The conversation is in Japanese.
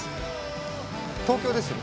東京ですよね？